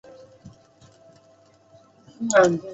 在外形上绿翅与绯红金刚鹦鹉很接近。